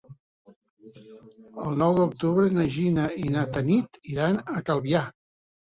El nou d'octubre na Gina i na Tanit iran a Calvià.